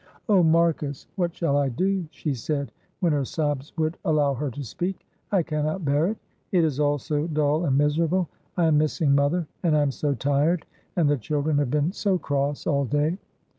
"Oh, Marcus, what shall I do?" she said, when her sobs would allow her to speak. "I cannot bear it; it is all so dull and miserable. I am missing mother and I am so tired, and the children have been so cross all day."